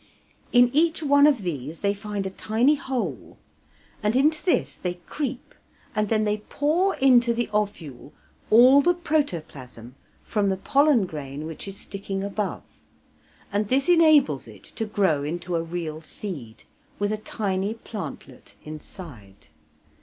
In each one of these they find a tiny hole, and into this they creep, and then they pour into the ovule all the protoplasm from the pollen grain which is sticking above, and this enables it to grow into a real seed, with a tiny plantlet inside.